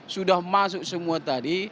sudah masuk semua tadi